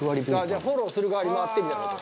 じゃあフォローする側に回ってみたいな事？